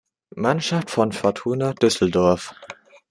Mannschaft von Fortuna Düsseldorf.